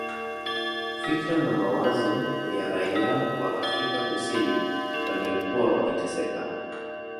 Fikra na mawazo ya raia wa Afrika kusini waliokuwa wakiteseka